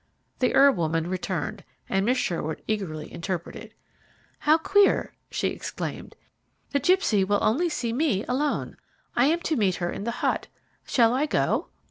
The herb woman returned, and Miss Sherwood eagerly interpreted. "How queer!" she exclaimed. "The gipsy will only see me alone. I am to meet her in the hut. Shall I go?"